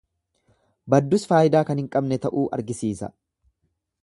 Baddus faayidaa kan hin qabne ta'uu argisiisa.